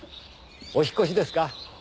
お引っ越しですか？